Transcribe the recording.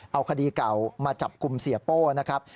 เอาคดีเก่ามาจับกลุ่มเสียโป้นะครับ